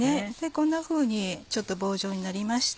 こんなふうにちょっと棒状になりました。